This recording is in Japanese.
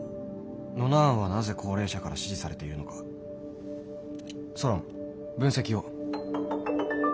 ノナ案はなぜ高齢者から支持されているのかソロン分析を。